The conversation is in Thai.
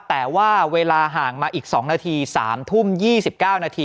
แต่ว่าเวลาห่างมาอีก๒นาที๓ทุ่ม๒๙นาที